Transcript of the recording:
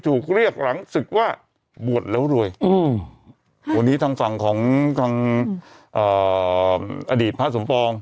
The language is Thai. นี่ยินดีต้อนรับอดีตพศ